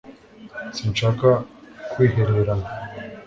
sinshaka kwihererana